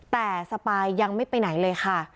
แต่สปายยังไม่ไปไหนเลยค่ะ